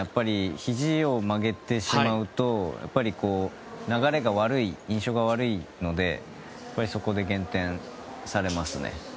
ひじを曲げてしまうと流れが悪い印象が悪くなるのでそこで減点されますね。